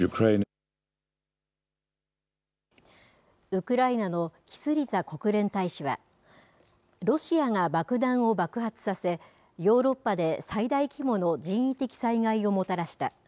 ウクライナのキスリツァ国連大使は、ロシアが爆弾を爆発させ、ヨーロッパで最大規模の人為的災害をもたらした。